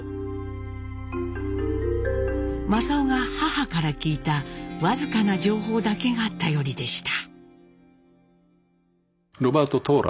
正雄が母から聞いた僅かな情報だけが頼りでした。